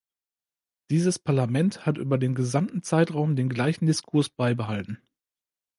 Dieses Parlament hat über den gesamten Zeitraum den gleichen Diskurs beibehalten.